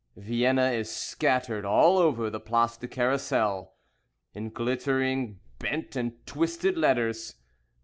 Vienna is scattered all over the Place du Carrousel In glittering, bent, and twisted letters.